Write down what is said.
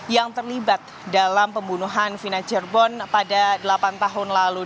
yang terlibat dalam pembunuhan vina cirebon pada delapan tahun lalu